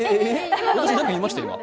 何か言いました？